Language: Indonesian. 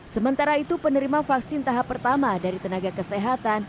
sementara itu penerima vaksin tahap pertama dari tenaga kesehatan